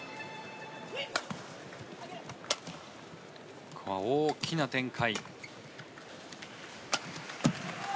ここは大きな展開。